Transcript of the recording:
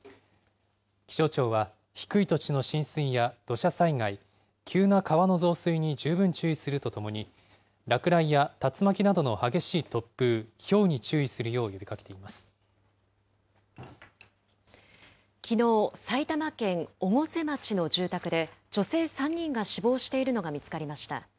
気象庁は、低い土地の浸水や土砂災害、急な川の増水に十分注意するとともに、落雷や竜巻などの激しい突風、ひょうに注意するよう呼びかけていきのう、埼玉県越生町の住宅で、女性３人が死亡しているのが見つかりました。